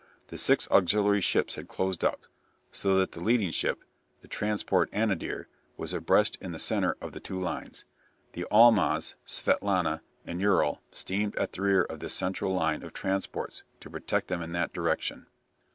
The six auxiliary ships had closed up, so that the leading ship, the transport "Anadir," was abreast of the centre of the two lines. The "Almaz," "Svietlana," and "Ural," steamed at the rear of this central line of transports, to protect them in that direction.